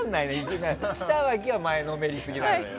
ｌ北脇は前のめりすぎなのよ。